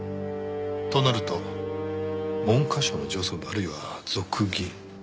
となると文科省の上層部あるいは族議員。